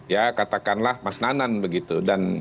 ya katakanlah mas nanan begitu